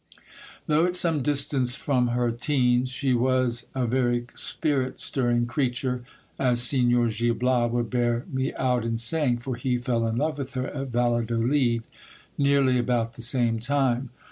Though at some distance from her teens, she was a very spirit stirring creature, as Signor Gil Bias will bear me out in saying ; for he fell in with her at Valla dolid nearly about the same time.